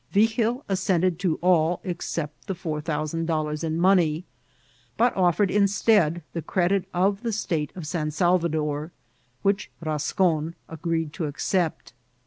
Vigil assented to all except the four thousand dollars in money, but offered instead the credit of the State of San Salvador, which Bascon agreed to accept.